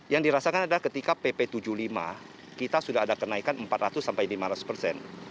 yang dirasakan adalah ketika pp tujuh puluh lima kita sudah ada kenaikan empat ratus sampai lima ratus persen